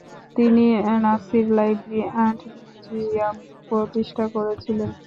তিনি "Nasir library and museum" প্রতিষ্ঠা করেছিলেন।